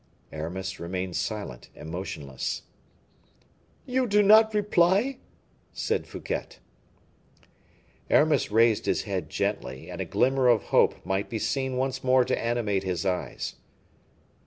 Aramis remained silent and motionless. "You do not reply?" said Fouquet. Aramis raised his head gently, and a glimmer of hope might be seen once more to animate his eyes.